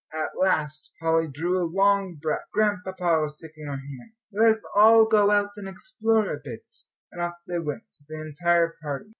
At last Polly drew a long breath; Grandpapa was taking her hand. "Let us all go out and explore a bit," and off they went, the entire party.